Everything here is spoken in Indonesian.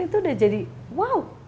itu sudah jadi wow